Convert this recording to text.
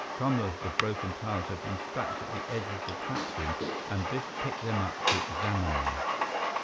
Some of the broken tiles had been stacked at the edge of the platform, and Biff picked them up to examine them.